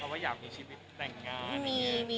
ว่าอยากมีชีวิตแต่งงาน